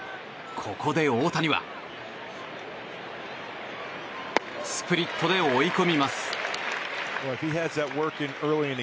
ここで大谷はスプリットで追い込みます。